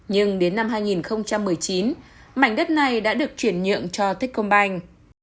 nhưng đến năm hai nghìn một mươi chín mảnh đất này đã được chuyển nhượng cho tết công banh